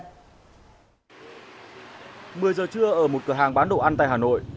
một mươi giờ trưa ở một cửa hàng bán đồ ăn tại hà nội